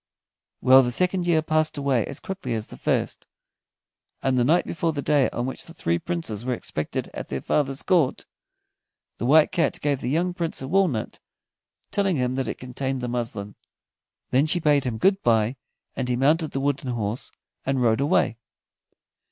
Well, the second year passed away as quickly as the first, and the night before the day on which the three Princes were expected at their father's court, the White Cat gave the young Prince a walnut, telling him that it contained the muslin. Then she bade him good by, and he mounted the wooden horse and rode away.